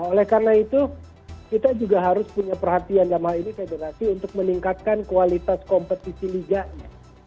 oleh karena itu kita juga harus punya perhatian dalam hal ini federasi untuk meningkatkan kualitas kompetisi liganya